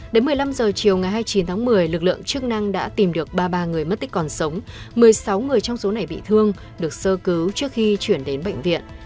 đến một mươi năm h chiều ngày hai mươi chín tháng một mươi lực lượng chức năng đã tìm được ba mươi ba người mất tích còn sống một mươi sáu người trong số này bị thương được sơ cứu trước khi chuyển đến bệnh viện